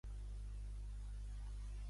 És la seu del comtat de Bon Homme County.